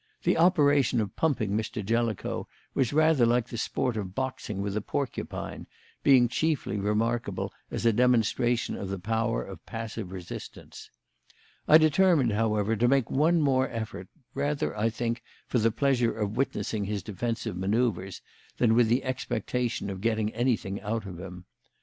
The operation of pumping Mr. Jellicoe was rather like the sport of boxing with a porcupine, being chiefly remarkable as a demonstration of the power of passive resistance. I determined, however, to make one more effort, rather, I think, for the pleasure of witnessing his defensive manoeuvres than with the expectation of getting anything out of him.